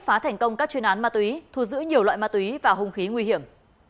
phá thành công các chuyên án mát túy thu giữ nhiều loại mát túy và hùng khí nguy hiểm